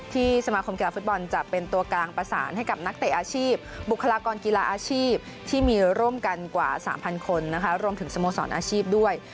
สมาคมกีฬาฟุตบอลจะเป็นตัวกลางประสานให้กับนักเตะอาชีพบุคลากรกีฬาอาชีพที่มีร่วมกันกว่า๓๐๐คนนะคะรวมถึงสโมสรอาชีพด้วย